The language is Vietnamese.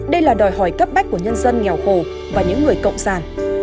đây là đòi hỏi cấp bách của nhân dân nghèo khổ và những người cộng sản